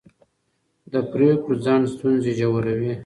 د پرېکړو ځنډ ستونزې ژوروي